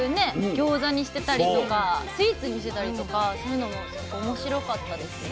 ギョーザにしてたりとかスイーツにしてたりとかそういうのも面白かったですね。